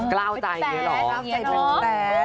กล้าวใจเหรอแป๊ดเหี้ยน้องแป๊ด